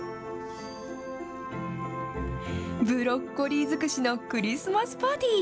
ブロッコリー尽くしのクリスマスパーティー。